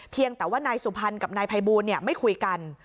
เพียงแต่ว่านายสุพรรณกับนายภัยบูลไม่คุยกัน